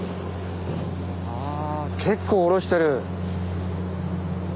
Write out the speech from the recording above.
あ結構降ろしてる。